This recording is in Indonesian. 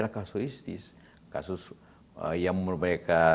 kasus yang mereka